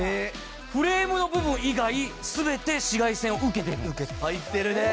フレームの部分以外全て紫外線を受けている。